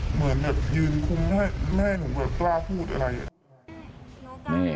เหมือนแบบยืนคุมให้แม่หนูแบบกล้าพูดอะไร